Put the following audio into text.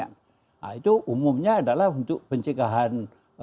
nah itu umumnya adalah untuk pencegahan